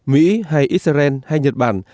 mỹ hay israel hay nhật bản